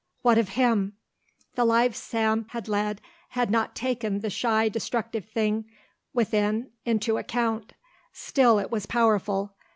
What of him? The life Sam had led had not taken the shy destructive thing within into account. Still it was powerful.